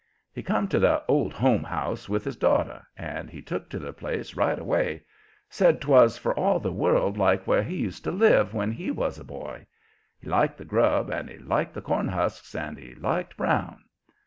He come to the "Old Home House" with his daughter, and he took to the place right away. Said 'twas for all the world like where he used to live when he was a boy. He liked the grub and he liked the cornhusks and he liked Brown.